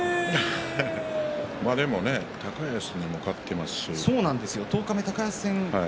高安にも勝っていますしね。